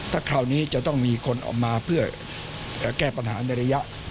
ถ้าคราวนี้จะต้องมีคนออกมาเพื่อแก้ปัญหาในระยะ